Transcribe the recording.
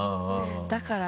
だから。